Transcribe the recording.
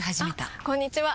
あこんにちは！